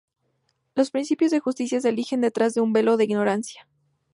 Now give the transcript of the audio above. Los principios de justicia se eligen detrás de un velo de ignorancia.